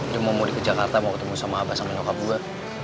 dia mau mudik ke jakarta mau ketemu sama abah sama nyokabua